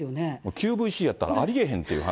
ＱＶＣだったらありえへんっていう話。